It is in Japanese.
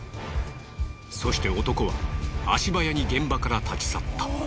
そして男は足早に現場から立ち去った。